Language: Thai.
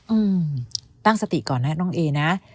อืมตั้งสติก่อนนะน้องเอนะ